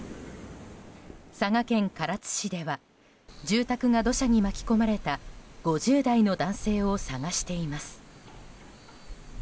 佐賀県唐津市では住宅が土砂に巻き込まれた５０代の男性を捜しています。